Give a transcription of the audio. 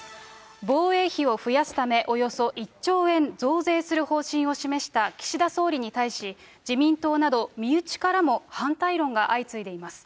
防衛費を増やすため、およそ１兆円増税する方針を示した岸田総理に対し、自民党など身内からも反対論が相次いでいます。